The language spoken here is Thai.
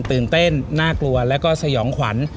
ตื่นเต้นน่ากลัวแล้วก็สยองขวัญ